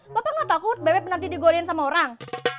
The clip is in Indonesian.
bapak nggak takut bebep nanti digodain sama orang